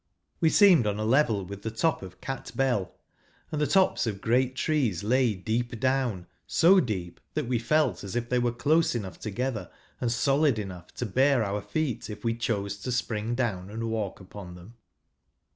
We seemed on a level ^^th the top of Cat Bell ; and the tops of great trees lay deep down — so deep that we felt as if they were close enough together and solid enough to bear our feet if we chose to spring down and walk upon them.